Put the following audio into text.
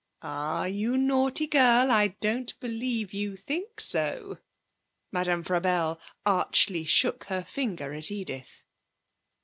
Ah, you naughty girl, I don't believe you think so!' Madame Frabelle, archly shook her finger at Edith.